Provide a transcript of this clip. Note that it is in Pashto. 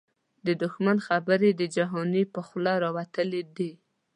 د دښمن خبري د جهانی په خوله راوتلی دې